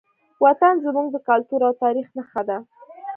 وطن زموږ د کلتور او تاریخ نښه ده.